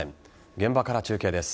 現場から中継です。